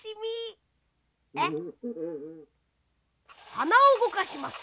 はなをうごかします。